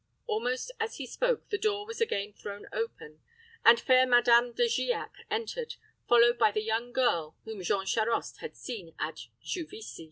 Almost as he spoke, the door was again thrown open, and fair Madame De Giac entered, followed by the young girl whom Jean Charost had seen at Juvisy.